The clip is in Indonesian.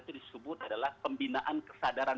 itu disebut adalah pembinaan kesadaran